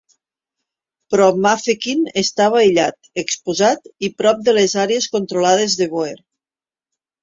Però Mafeking estava aïllat, exposat i prop de les àrees controlades de Boer.